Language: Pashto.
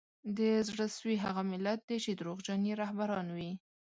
د زړه سوي هغه ملت دی چي دروغجن یې رهبران وي